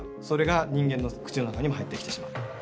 それが人間の口の中にも入ってきてしまう。